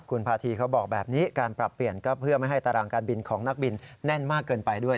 คุณพาธีเขาบอกแบบนี้การปรับเปลี่ยนก็เพื่อไม่ให้ตารางการบินของนักบินแน่นมากเกินไปด้วย